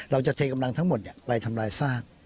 เราจะเทกำลังทั้งหมดไปทำลายซาก